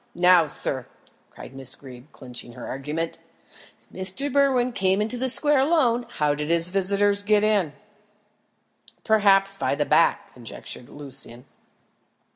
Now, sir," cried Miss Greeb, clinching her argument, "if Mr. Berwin came into the square alone, how did his visitors get in?" "Perhaps by the back," conjectured Lucian.